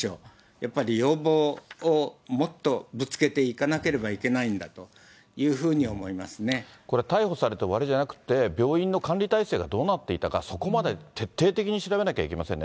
やっぱり要望をもっとぶつけていかなければいけないんだというふこれ、逮捕されて終わりじゃなくて、病院の管理体制がどうなっていたか、そこまで徹底的に調べなきゃいけませんね。